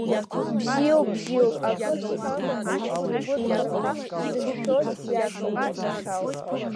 Бзиоуп, бзиоуп, акыр сҳәама, иҷкәын игәы нхарҳәа дышшәоз ҩашьомызт Махьал.